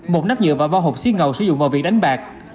một nắp nhựa và ba hộp xiên ngầu sử dụng vào việc đánh bạc